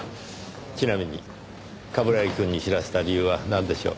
ちなみに冠城くんに知らせた理由はなんでしょう？